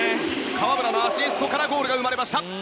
河村のアシストからゴールが生まれました。